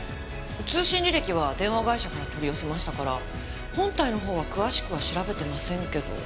通信履歴は電話会社から取り寄せましたから本体の方は詳しくは調べてませんけど。